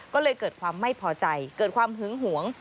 ก็เลยเกิดความไม่พอใจเกิดความหึงหวง